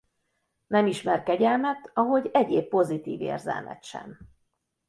Nem ismer kegyelmet ahogy egyéb pozitív érzelmet sem.